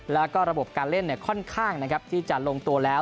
แล้วก็ระบบการเล่นค่อนข้างที่จะลงตัวแล้ว